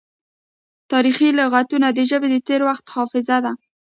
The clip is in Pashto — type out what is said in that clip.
تاریخي لغتونه د ژبې د تیر وخت حافظه ده.